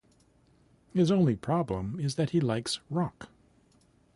His only problem is that he likes rock.